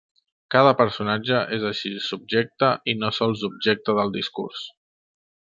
Cada personatge és així subjecte i no sols objecte del discurs.